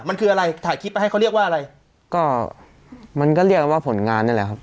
มันคืออะไรถ่ายคลิปไปให้เขาเรียกว่าอะไรก็มันก็เรียกว่าผลงานนี่แหละครับ